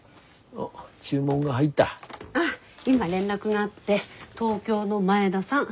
あっ今連絡があって東京の前田さん。